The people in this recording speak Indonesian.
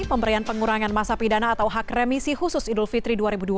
pemberian pengurangan masa pidana atau hak remisi khusus idul fitri dua ribu dua puluh